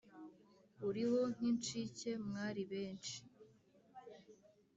Uriho nk’incike mwari benshi !